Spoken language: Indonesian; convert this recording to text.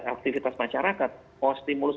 aktivitas masyarakat mau stimulus